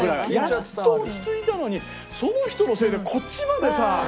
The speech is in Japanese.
やっと落ち着いたのにその人のせいでこっちまでさ緊張。